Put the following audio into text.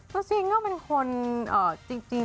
ตัวจริงก็เป็นคนจริง